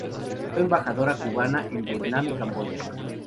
Fue embajadora cubana en Vietnam y Camboya.